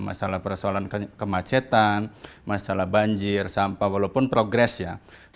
masalah persoalan kemacetan masalah banjir sampah walaupun progres ya